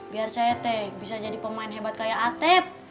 biar saya teh bisa jadi pemain hebat kayak ateb